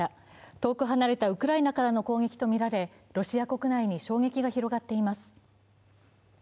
遠く離れたウクライナからの攻撃とみられロシア国内に衝撃が広がっています。